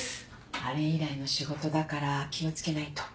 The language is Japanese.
あれ以来の仕事だから気を付けないと。